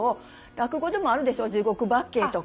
落語でもあるでしょ「地獄八景」とか。